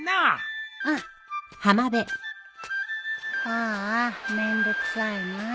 ああめんどくさいな。